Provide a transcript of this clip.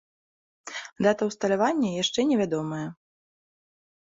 Дата ўсталявання яшчэ невядомая.